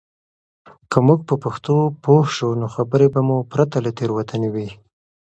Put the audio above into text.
که موږ په پښتو پوه شو، نو خبرې به مو پرته له تېروتنې وي.